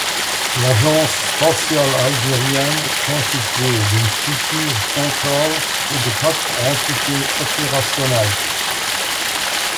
L'Agence spatiale algérienne est constituée d’une structure centrale et de quatre entités opérationnelles.